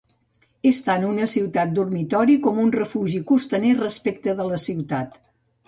És tant una ciutat dormitori com un refugi costaner respecte de la ciutat.